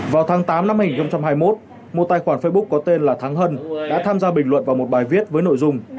vào tháng tám năm hai nghìn hai mươi một một tài khoản facebook có tên là thắng hân đã tham gia bình luận vào một bài viết với nội dung